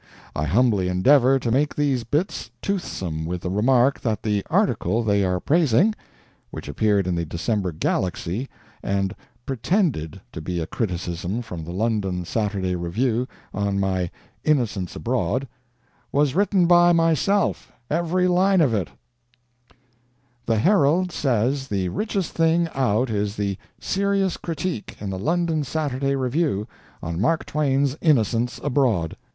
I humbly endeavor to make these bits toothsome with the remark that the article they are praising (which appeared in the December Galaxy, and _pretended _to be a criticism from the London Saturday Review on my Innocents Abroad) was written by myself, every line of it: The _Herald _says the richest thing out is the "serious critique" in the London Saturday Review, on Mark Twain's Innocents Abroad.